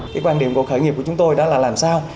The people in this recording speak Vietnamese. cái quan điểm của khởi nghiệp của chúng tôi đó là làm sao